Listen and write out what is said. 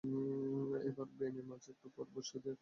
এবার বেণির মাঝে একটু পর পর বসিয়ে দিন একটি করে বেলি ফুল।